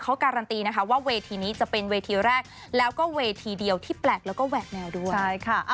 เขาการันตีนะคะว่าเวทีนี้จะเป็นเวทีแรกแล้วก็เวทีเดียวที่แปลกแล้วก็แหวกแนวด้วยใช่ค่ะ